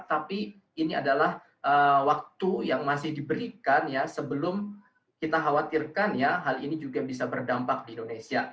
tapi ini adalah waktu yang masih diberikan ya sebelum kita khawatirkan ya hal ini juga bisa berdampak di indonesia